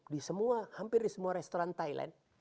di semua hampir di semua restoran thailand